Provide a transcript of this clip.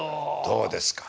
どうですか。